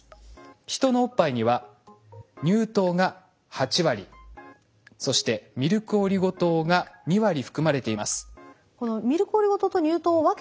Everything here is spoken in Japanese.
ヒトのおっぱいには乳糖が８割そしてミルクオリゴ糖が２割含まれています。